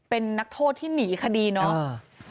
เป็นนักโทษที่หนีคดีเนาะ